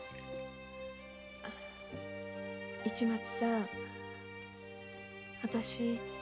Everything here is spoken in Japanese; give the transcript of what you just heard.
市松さん私。